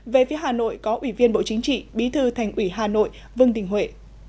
về phía hà nội có ủy viên bộ chính trị bí thư thành ủy hà nội vương đình huệ